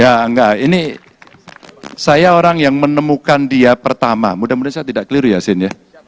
ya enggak ini saya orang yang menemukan dia pertama mudah mudahan saya tidak keliru yasin ya